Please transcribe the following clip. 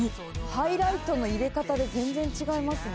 「ハイライトの入れ方で全然違いますね